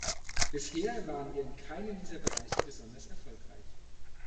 Bisher waren wir in keinem dieser Bereiche besonders erfolgreich.